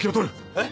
えっ？